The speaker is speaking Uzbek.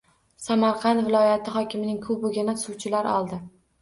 Samarqand viloyati hokimining kubogini suvchilar oldi